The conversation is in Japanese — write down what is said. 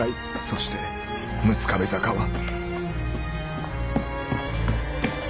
そして六壁坂は。